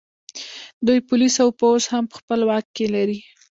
دوی پولیس او پوځ هم په خپل واک کې لري